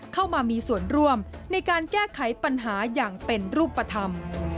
เข้ามามีส่วนร่วมในการแก้ไขปัญหาอย่างเป็นรูปธรรม